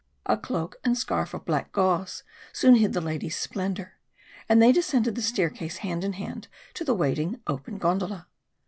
A cloak and scarf of black gauze soon hid the lady's splendour, and they descended the staircase hand in hand to the waiting open gondola.